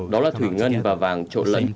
đó là thủy ngân và vàng trộn lẫn